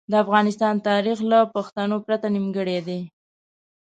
د افغانستان تاریخ له پښتنو پرته نیمګړی دی.